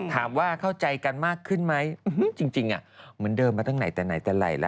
ถามว่าเข้าใจกันมากขึ้นไหมจริงเหมือนเดิมมาตั้งไหนแต่ไหนแต่ไหล่แล้ว